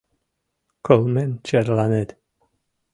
— Кылмен черланет!